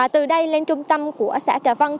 từ đây lên trung tâm của xã trà vân